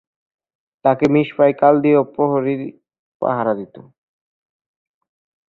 তাকে মিসপায় কলদীয় প্রহরী পাহারা দিতো।